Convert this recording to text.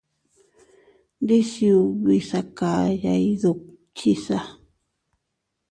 Ndisiubi sakaya iydukchisa.